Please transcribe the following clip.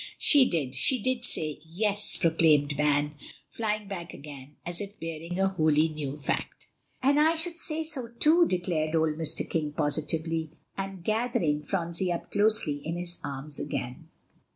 "She did she did say 'Yes,'" proclaimed Van, flying back again, as if bearing a wholly new fact. "And I should say so too," declared old Mr. King positively, and gathering Phronsie up closely in his arms again.